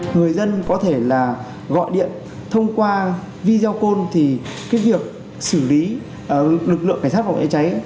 người dân có thể gọi điện thông qua video call thì việc xử lý lực lượng cảnh sát phòng cháy cháy